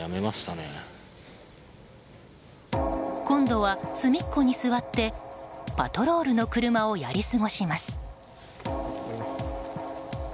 今度は隅っこに座ってパトロールの車をやり過ごします。